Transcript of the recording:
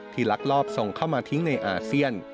ลักลอบส่งเข้ามาทิ้งในอาเซียน